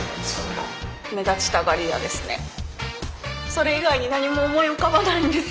それ以外に何も思い浮かばないんです。